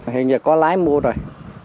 hiện giờ có lái mua rồi